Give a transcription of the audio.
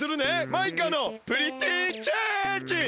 マイカのプリティーチェンジ！